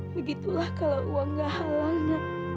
begitulah kalau uang gak halal nak